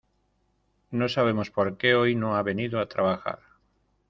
No sabemos por qué hoy no ha venido a trabajar.